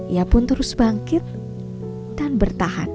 ia pun terus bangkit dan bertahan